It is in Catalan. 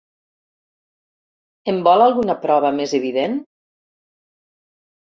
En vol alguna prova més evident?